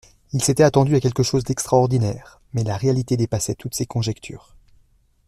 Il s'était attendu à quelque chose d'extraordinaire, mais la réalité dépassait toutes ses conjectures.